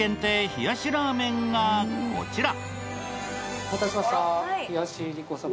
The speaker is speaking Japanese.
冷やしラーメンがこちら。